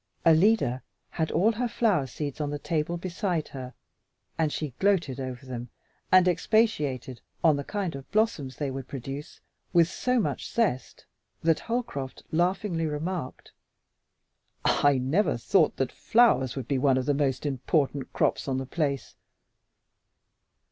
Alida had all her flower seeds on the table beside her, and she gloated over them and expatiated on the kind of blossoms they would produce with so much zest that Holcroft laughingly remarked, "I never thought that flowers would be one of the most important crops on the place."